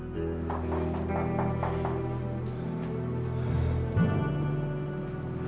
cepetan ya mbok